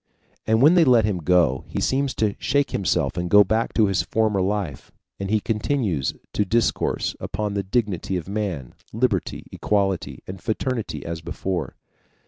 And when they let him go, he seems to shake himself and go back to his former life, and he continues to discourse upon the dignity of man, liberty, equality, and fraternity as before.